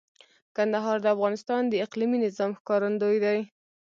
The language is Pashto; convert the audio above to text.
کندهار د افغانستان د اقلیمي نظام ښکارندوی دی.